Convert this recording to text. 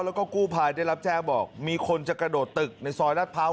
แล้วก็กู้ภัยได้รับแจ้งบอกมีคนจะกระโดดตึกในซอยรัดพร้าว